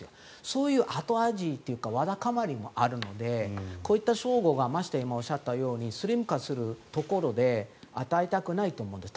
そういう、後味というかわだかまりもあるのでこういった称号がましてやスリム化するところで与えたくないと思うんです。